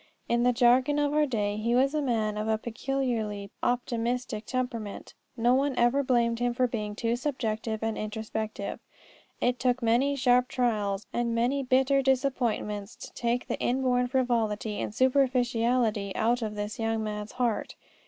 In the jargon of our day he was a man of a peculiarly optimistic temperament. No one ever blamed him for being too subjective and introspective. It took many sharp trials and many bitter disappointments to take the inborn frivolity and superficiality out of this young man's heart.